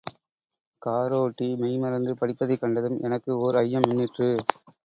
காரோட்டி மெய்மறந்து படிப்பதைக் கண்டதும், எனக்கு ஓர் ஐயம் மின்னிற்று.